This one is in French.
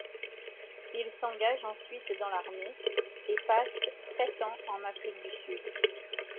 Il s'engage ensuite dans l'armée et passe sept ans en Afrique du Sud.